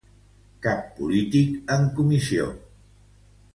Cap polític en comissió.